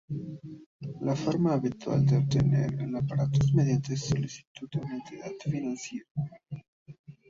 La forma habitual de obtener el aparato es mediante solicitud a una entidad financiera.